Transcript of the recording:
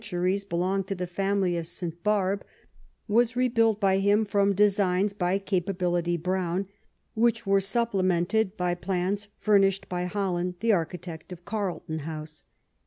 (uries belonged to the family of St. Barbe was rebailt by him from designs by '* Capability " Brown, whieb were supplemented by plans furnished by Holland, the architect of Carlton House.